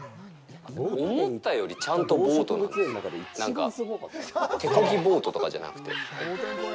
思ったよりちゃんとボートなんですよ、なんか、手こぎボートとかじゃなくて。